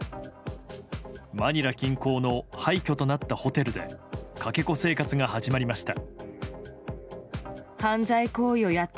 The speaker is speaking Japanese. マニラ近郊の廃墟となったホテルでかけ子生活が始まりました。